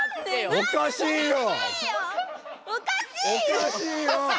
おかしいよ！